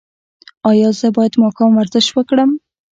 ایا زه باید ماښام ورزش وکړم؟